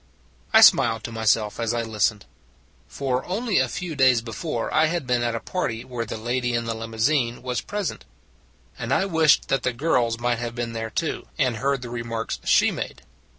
I smiled to myself as I listened. For only a few days before I had been at a party where the lady in the limousine was present: and I wished that the girls might have been there too, and heard the remarks she made.